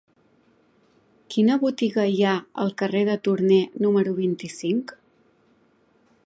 Quina botiga hi ha al carrer de Torné número vint-i-cinc?